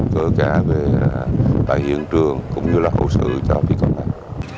cơ cả về bài hiện trường cũng như là hậu sự cho phi công an